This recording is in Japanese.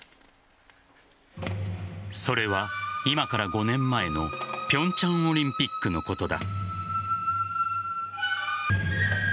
それは、今から５年前の平昌オリンピックのことだ。